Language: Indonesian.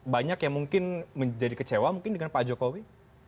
banyak yang mungkin menjadi kecewa mungkin dengan pak jokowi